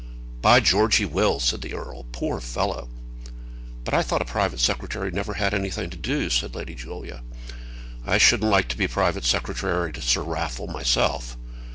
"By George, he will," said the earl. "Poor fellow!" "But I thought a private secretary never had anything to do," said Lady Julia. "I shouldn't like to be private secretary to Sir Raffle, myself.